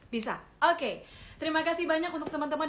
bisa oke terima kasih banyak untuk teman teman